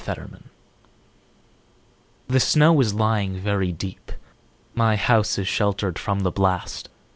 Convention THE SNOW is lying very deep.My house is sheltered from the blast.